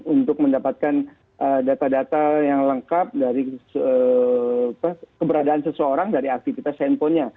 untuk mendapatkan data data yang lengkap dari keberadaan seseorang dari aktivitas handphonenya